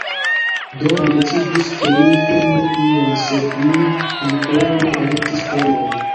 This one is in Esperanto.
Do, ni decidis ke ni filmu ion sed ni ankoraŭ ne elektis temon